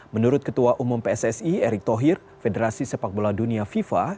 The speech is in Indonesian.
menurut ketua umum pssi erick thohir federasi sepak bola dunia fifa